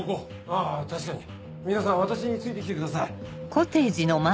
あぁ確かに皆さん私について来てください。